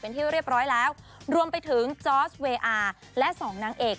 เป็นที่เรียบร้อยแล้วรวมไปถึงจอร์สเวอาร์และสองนางเอก